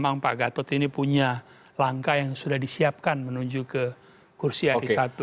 memang pak gatot ini punya langkah yang sudah disiapkan menuju ke kursi hari satu